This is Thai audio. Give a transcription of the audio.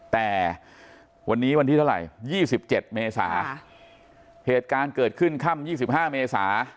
แต่วันนี้วันที่เท่าไหร่๒๗เมษาเหตุการณ์เกิดขึ้นค่ำ๒๕เมษา